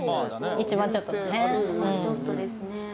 １万円ちょっとですね